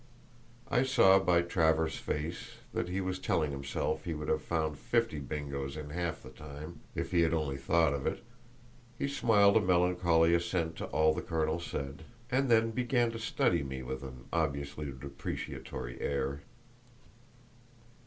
I saw by Travers's face that he was telling himself he would have found fifty Bingos in half the time—if he had only thought of it; he smiled a melancholy assent to all the colonel said, and then began to study me with an obviously depreciatory air.